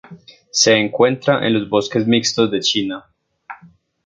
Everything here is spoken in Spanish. Se encuentra en bosques mixtos en China.